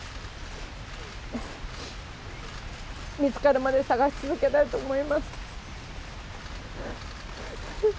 見つかるまで捜し続けたいと思います。